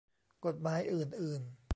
กฎหมายอื่นอื่น